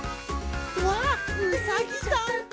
うわっうさぎさん！